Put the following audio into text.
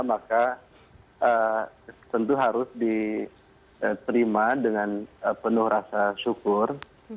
maka tentu harus diterima dengan penuh rasa syukur